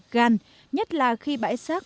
gan nhất là khi bãi rác